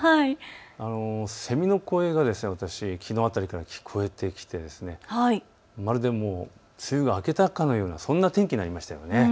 セミの声が、私、きのう辺りから聞こえてきてまるでもう梅雨が明けたかのようなそんな天気でしたね。